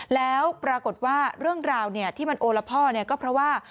แล้วปรากฏว่าเรื่องราวที่มันโอละพ่อก็เพราะว่า